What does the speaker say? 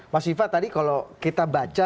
mas viva tadi kalau kita baca